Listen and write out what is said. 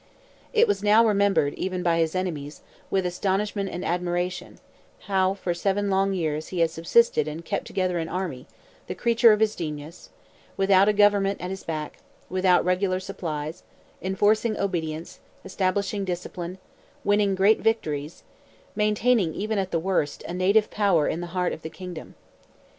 It was now remembered, even by his enemies, with astonishment and admiration, how for seven long years he had subsisted and kept together an army, the creature of his genius; without a government at his back, without regular supplies, enforcing obedience, establishing discipline, winning great victories, maintaining, even at the worst, a native power in the heart of the kingdom.